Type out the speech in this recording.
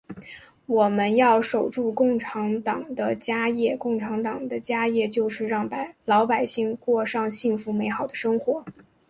我们要守住共产党的家业，共产党的家业就是让老百姓过上幸福美好的生活。